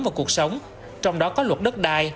vào cuộc sống trong đó có luật đất đai